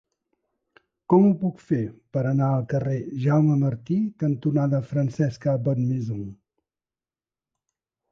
Com ho puc fer per anar al carrer Jaume Martí cantonada Francesca Bonnemaison?